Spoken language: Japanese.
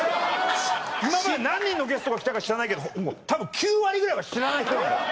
今まで何人のゲストが来たか知らないけどたぶん９割ぐらいは知らない人だもん。